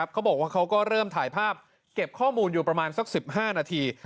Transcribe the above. เขาก็เริ่มถ่ายภาพเก็บข้อมูลอยู่ประมาณสัก๑๕นาที